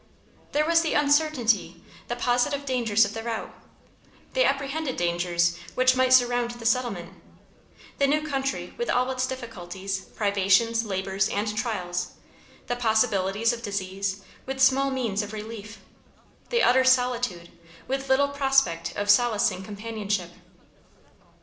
There was the uncertainty; the positive dangers of the route; the apprehended dangers which might surround the settlement; the new country, with all its difficulties, privations, labors, and trials; the possibilities of disease, with small means of relief; the utter solitude, with little prospect of solacing companionship.